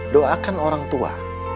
doakan orang tua